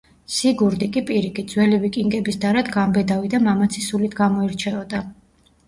სიგურდი კი პირიქით, ძველი ვიკინგების დარად გამბედავი და მამაცი სულით გამოირჩეოდა.